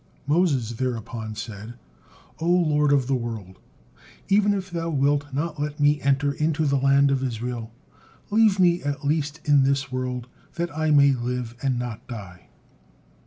Moses thereupon said: "O Lord of the world! Even if Thou wilt not let me enter into the land of Israel, leave me at least in this world, that I may live, and not die."